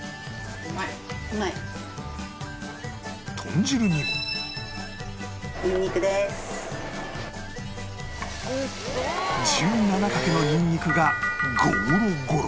１７かけのニンニクがゴロゴロ